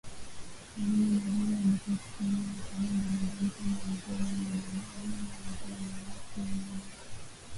Mwalimu Nyerere alikuwa akitumia wasanii mbali mbali kama Mzee Mwinamila Mzee Moresi Nyunyusa